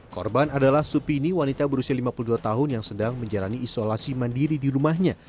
korban adalah supini wanita berusia lima puluh dua tahun yang sedang menjalani isolasi mandiri di rumahnya